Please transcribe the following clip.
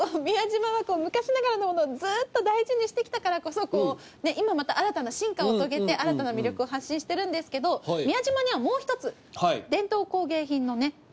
宮島は昔ながらのものをずっと大事にしてきたからこそこう今また新たな進化を遂げて新たな魅力を発信してるんですけど宮島にはもう一つ伝統工芸品のね